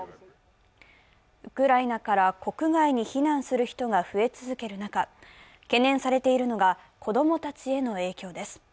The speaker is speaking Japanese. ウクライナから国外に避難する人が増え続ける中、懸念されているのが子供たちへの影響です。